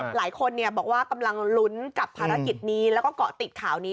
หลายคนบอกว่ากำลังลุ้นกับภารกิจนี้แล้วก็เกาะติดข่าวนี้